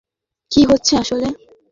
কী হচ্ছে আসলে?